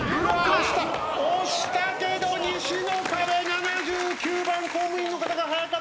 押したけど西の壁７９番公務員の方が早かった。